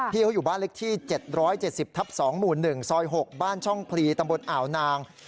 เขาอยู่บ้านเล็กที่๗๗๐ทับ๒หมู่๑ซอย๖บ้านช่องพลีตำบลอ่าวนาง